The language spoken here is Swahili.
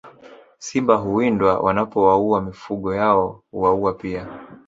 Simba huwindwa wanapowaua mifugo yao hwauwa pia